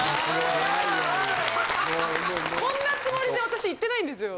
こんなつもりで私行ってないんですよ。